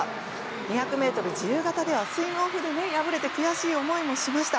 ２００ｍ自由形ではスイムオフで敗れて悔しい思いもしました。